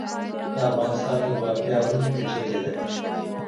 د افغانستان جغرافیا ولې پیچلې ده؟